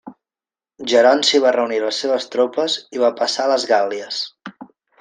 Geronci va reunir a les seves tropes i va passar a les Gàl·lies.